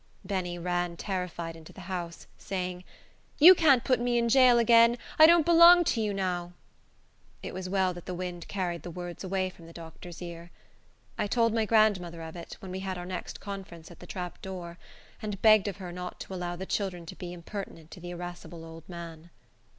Benny ran terrified into the house, saying, "You can't put me in jail again. I don't belong to you now." It was well that the wind carried the words away from the doctor's ear. I told my grandmother of it, when we had our next conference at the trap door, and begged of her not to allow the children to be impertinent to the irascible old man.